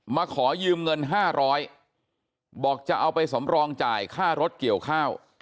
มาขอยืมเงิน๕๐๐บาทบอกจะเอาไปสำรองจ่ายค่ารถเกี่ยวข้าว